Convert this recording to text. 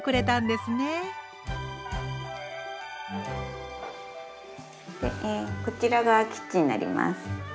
でえこちらがキッチンになります。